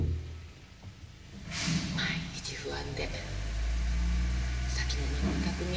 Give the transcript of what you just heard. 毎日不安で先も全く見えない。